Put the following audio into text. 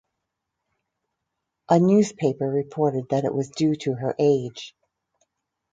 A newspaper reported that it was due to her age.